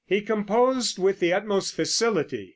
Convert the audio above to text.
He composed with the utmost facility.